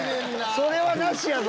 それはなしやぞ！